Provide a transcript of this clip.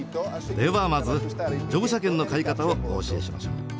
ではまず乗車券の買い方をお教えしましょう。